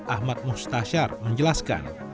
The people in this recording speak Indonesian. ahmad mustasyar menjelaskan